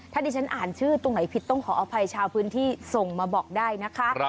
ถ้าดิฉันอ่านชื่อตรงไหนผิดต้องขออภัยชาวพื้นที่ส่งมาบอกได้นะคะ